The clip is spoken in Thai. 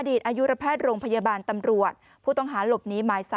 อดีตอายุระแพทย์โรงพยาบาลตำรวจผู้ต้องหารบ่นี้หมายยศานท